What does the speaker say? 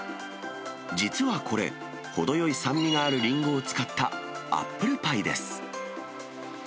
実はこれ、程よい酸味があるリンゴを使ったアップルパイです。